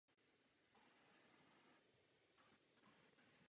Byl odsouzen ke čtyřem a půl roku vězení.